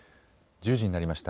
１０時になりました。